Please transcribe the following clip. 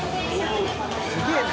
すげぇな！